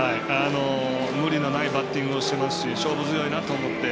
無理のないバッティングをしてますし勝負強いなと思って。